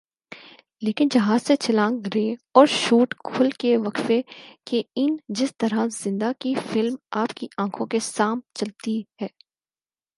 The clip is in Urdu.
لیکن جہاز سے چھلانگ ر اور شوٹ کھل کے وقفہ کے ان جسطرح زندہ کی فلم آپ کی آنکھوں کے سام چلتی ہے